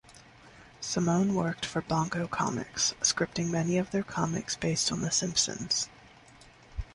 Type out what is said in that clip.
Simone worked for Bongo Comics, scripting many of their comics based on "The Simpsons".